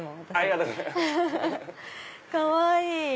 かわいい！